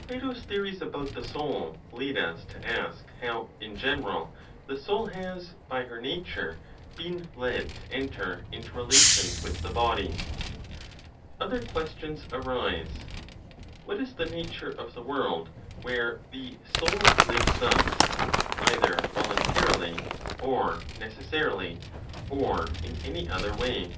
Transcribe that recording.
Plato's theories about the soul lead us to ask how, in general, the soul has, by her nature, been led to enter into relations with the body. Other questions arise: What is the nature of the world where the soul lives thus, either voluntarily or necessarily, or in any other way?